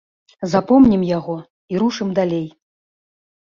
Запомнім яго і рушым далей.